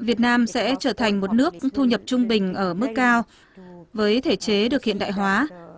việt nam sẽ trở thành một nước thu nhập trung bình ở mức cao với thể chế được hiện đại hóa